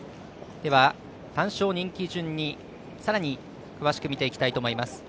では単勝人気順にさらに詳しく見ていきたいと思います。